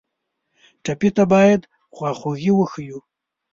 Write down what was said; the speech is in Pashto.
ټپي ته باید خواخوږي وښیو.